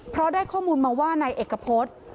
เพราะได้ข้อมูลมาว่านายเอกพฤษ